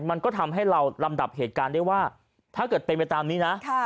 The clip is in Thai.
มันก็ทำให้เราลำดับเหตุการณ์ได้ว่าถ้าเกิดเป็นไปตามนี้นะ